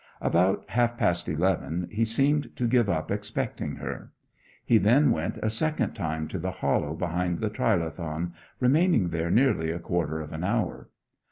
About half past eleven he seemed to give up expecting her. He then went a second time to the hollow behind the trilithon, remaining there nearly a quarter of an hour.